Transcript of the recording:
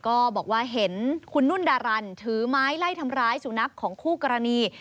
ก็บอกว่าเห็นคุณนุ่นดารันถือไม้ไล่ทำร้ายสุนัขของคู่กรณี